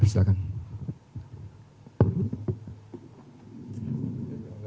di dalam hal yang positif yang mulai